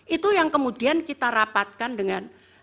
itu yang kemudian kita rapatkan dengan